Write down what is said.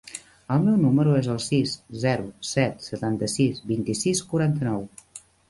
El meu número es el sis, zero, set, setanta-sis, vint-i-sis, quaranta-nou.